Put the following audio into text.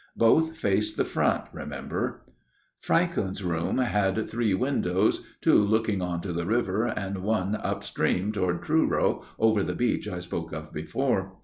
Both faced the front, remember. " Franklyn's room had three windows, two looking on to the river and one up stream toward Truro, over the beach I spoke of before.